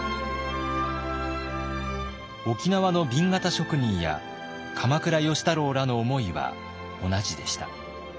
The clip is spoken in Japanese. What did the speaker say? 沖縄の紅型職人や鎌倉芳太郎らの思いは同じでした。